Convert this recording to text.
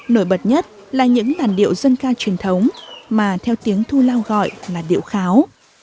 nổi bật nhất là những làn điệu dân ca truyền thống mà theo tiếng thu lao gọi là điệu kháo